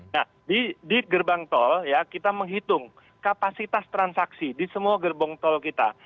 nah di gerbang tol ya kita menghitung kapasitas transaksi di semua gerbong tol kita